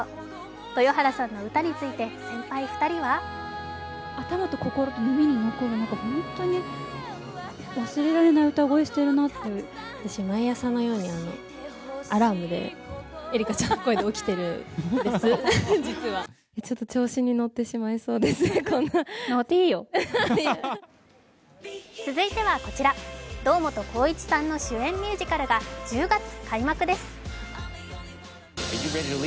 豊原さんの歌について先輩２人は続いてはこちら、堂本光一さんの主演ミュージカルが１０月開幕です。